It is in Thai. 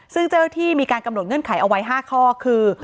ซึ่งเจ้าที่มีการกำหนดเงื่อนไขเอาไว้๕ข้อคือ